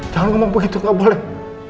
jangan ngomong begitu kau boleh